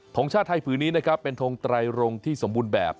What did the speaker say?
งชาติไทยผืนนี้นะครับเป็นทงไตรรงที่สมบูรณ์แบบ